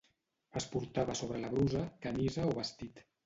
Es portava sobre la brusa, camisa o vestit.